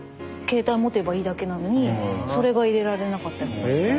携帯持てばいいだけなのにそれが入れられなかったりとかして。